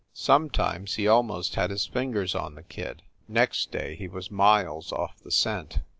Sometimes he almost had his fingers on the kid; next day he was miles off the scent.